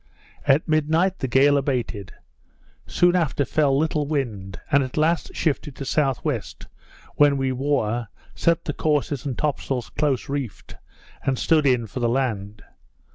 At midnight the gale abated; soon after fell little wind; and at last shifted to S.W., when we wore, set the courses and top sails close reefed, and stood in for the land.